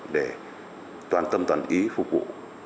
để toàn tâm toàn ý phục vụ